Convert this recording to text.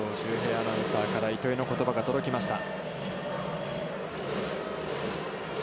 アナウンサーから糸井の言葉が届きました。